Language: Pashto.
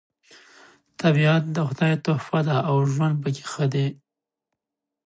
طبیعت د خدای تحفه ده او ژوند پکې ښه دی